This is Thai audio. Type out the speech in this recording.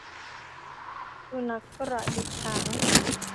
สุนัขกระดิกหาง